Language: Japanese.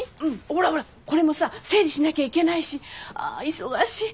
ほらほらこれもさ整理しなきゃいけないしあ忙しい。